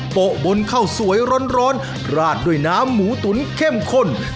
โปะบนข้าวสวยร้อนราดด้วยน้ำหมูตุ๋นเข้มข้น